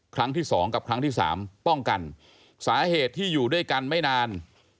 ครั้งที่สองกับครั้งที่สามป้องกันสาเหตุที่อยู่ด้วยกันไม่นาน